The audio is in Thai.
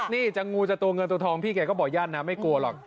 นี่จังงูจากตัวเงินตัวทองพี่ไข้ก็บอกยันนะไม่กลัวหรอก